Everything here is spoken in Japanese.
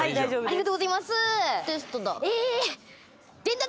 ありがとうございます。